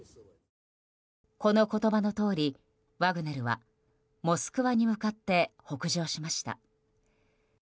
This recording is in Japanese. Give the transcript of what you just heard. この言葉のとおりワグネルはモスクワに向かって北上しました。